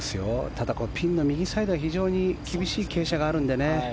ただ、ピンの右サイドは非常に厳しい傾斜があるのでね。